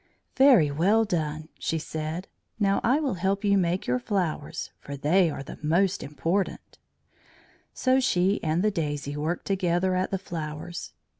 "Very well done," she said. "Now I will help you to make your flowers, for they are most important." So she and the daisy worked together at the flowers.